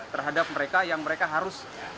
terhadap mereka yang mereka yang mencari asuransi